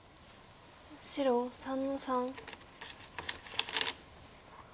白３の三。